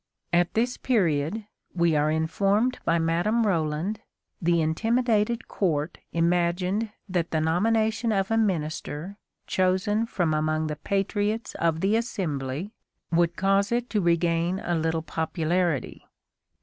At this period, we are informed by Madame Roland, the intimidated court imagined that the nomination of a minister chosen from among the patriots of the Assembly would cause it to regain a little popularity.